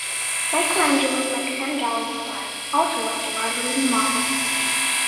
Michelangelo, like Sangallo before him, also left a large wooden model.